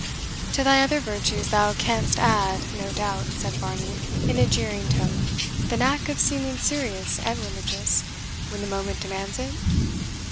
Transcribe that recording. "To thy other virtues thou canst add, no doubt," said Varney, in a jeering tone, "the knack of seeming serious and religious, when the moment demands it?"